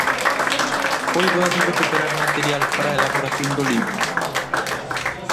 Foi doado recuperar material para a elaboración do libro?